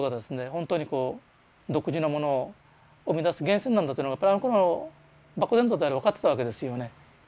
ほんとにこう独自のものを生みだす源泉なんだっていうのをやっぱりあのころ漠然とであれ分かってたわけですよね。